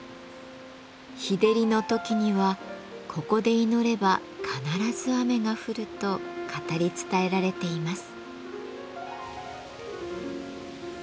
日照りの時には「ここで祈れば必ず雨が降る」と語り伝えられています。